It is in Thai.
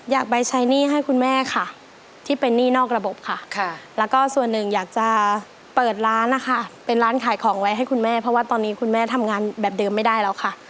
อยากไปใช้หนี้ให้คุณแม่ค่ะที่เป็นหนี้นอกระบบค่ะแล้วก็ส่วนหนึ่งอยากจะเปิดร้านนะคะเป็นร้านขายของไว้ให้คุณแม่เพราะว่าตอนนี้คุณแม่ทำงานแบบเดิมไม่ได้แล้วค่ะ